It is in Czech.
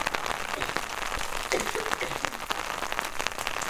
Původně byla zastavěna pouze východní polovina bloku.